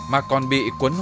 mà còn bị quấn đảo